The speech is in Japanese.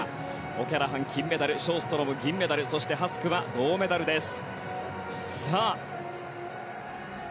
オキャラハンが金メダルショーストロム銀メダルハスクは銅メダルです。